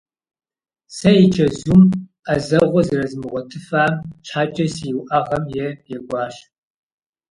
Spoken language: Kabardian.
Сэ и чэзум ӏэзэгъуэ зэрызмыгъуэтыфам щхьэкӏэ си уӏэгъэм е екӏуащ.